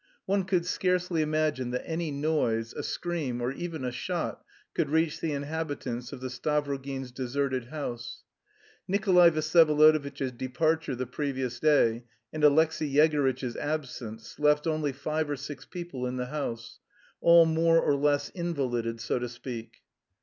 One could scarcely imagine that any noise, a scream, or even a shot, could reach the inhabitants of the Stavrogins' deserted house. Nikolay Vsyevolodovitch's departure the previous day and Alexey Yegorytch's absence left only five or six people in the house, all more or less invalided, so to speak.